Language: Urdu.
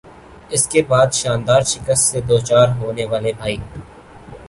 اس کے بعد "شاندار"شکست سے دوچار ہونے والے بھائی